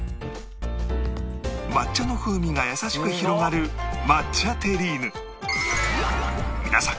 抹茶の風味が優しく広がる抹茶テリーヌ